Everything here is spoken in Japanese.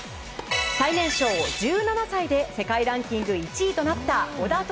最年少、１７歳で世界ランキング１位となった小田凱